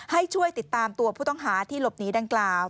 ให้ช่วยติดตามตัวผู้ต้องหาที่หลบหนีดังกล่าว